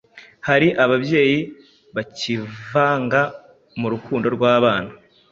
hari ababyeyi bacyivanga mu rukundo rw’abana